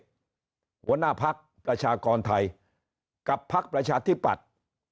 หัวหน้าพักประชากรไทยกับพักประชาธิปัตย์